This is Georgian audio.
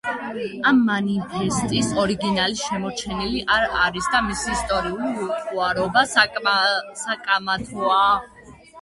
ამ მანიფესტის ორიგინალი შემორჩენილი არ არის და მისი ისტორიული უტყუარობა საკამათოა.